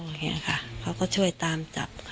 เห็นไหมคะเขาก็ช่วยตามจับ